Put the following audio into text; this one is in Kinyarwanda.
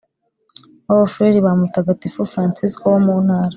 w Abafurere ba Mutagatifu Fransisko wo mu Ntara